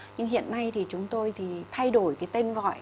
nhưng hiện nay thì chúng tôi thì thay đổi cái tên gọi